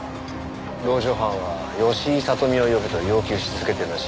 籠城犯は吉井聡美を呼べと要求し続けてるらしいです。